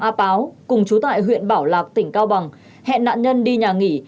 a páo cùng chú tại huyện bảo lạc tỉnh cao bằng hẹn nạn nhân đi nhà nghỉ